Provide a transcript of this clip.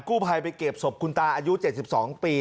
กู้ภัยไปเก็บศพคุณตาอายุ๗๒ปี